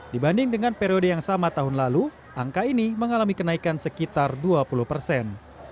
dibanding dengan periode yang sama tahun lalu angka ini mengalami kenaikan sekitar dua puluh persen